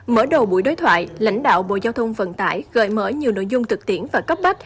mở đầu buổi đối thoại lãnh đạo bộ giao thông vận tải gợi mở nhiều nội dung thực tiễn và cấp bách